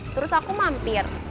terus aku mampir